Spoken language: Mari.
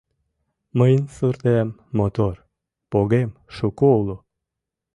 Мыйын суртем мотор, погем шуко уло.